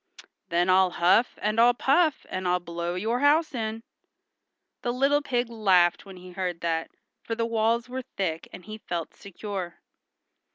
"Then I'll huff, and I'll puff, and I'll blow your house in." The little pig laughed when he heard that, for the walls were thick, and he felt secure.